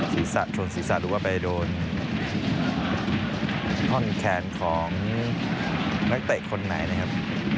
ศรีศาสตร์ชนศรีศาสตร์ดูว่าไปโดนท่อนแขนของนักเตะคนไหนนะครับ